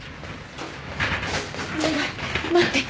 お願い待って。